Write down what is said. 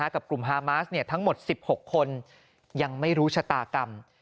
กับกลุ่มฮามาสทั้งหมด๑๖คนยังไม่รู้ชะตากรรม